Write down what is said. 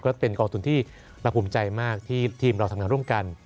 ก็เป็นกองทุนที่เราภูมิใจมากที่ทีมเราทำงานร่วมกัน